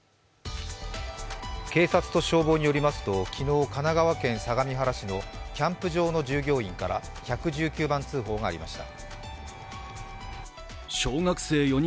警察と消防によりますと昨日、神奈川県相模原市のキャンプ場の従業員から１１９番通報がありました。